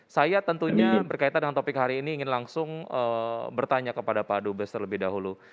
saya tentunya berkaitan dengan topik hari ini ingin langsung bertanya kepada pak dubes terlebih dahulu